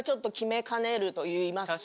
といいますか。